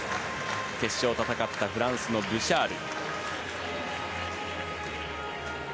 決勝を戦ったフランスのブシャール。